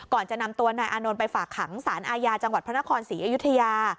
ก่อนจะนำตัวนายอานนท์ไปฝากขังสารอาญาจังหวัดพระนครศรีอยุธยา